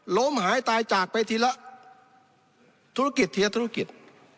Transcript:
ล้มหายตายจากไปทีละธุรกิจทีละธุรกิจ